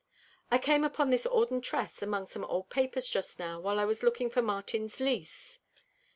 "I came upon this auburn tress among some old papers just now, while I was looking for Martin's lease."